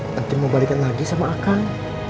nanti mau balikan lagi sama akang